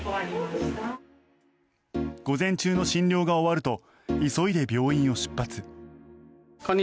午前中の診療が終わると急いで病院を出発。